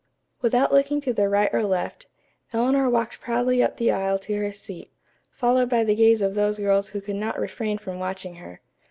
Without looking to the right or left, Eleanor walked proudly up the aisle to her seat, followed by the gaze of those girls who could not refrain from watching her.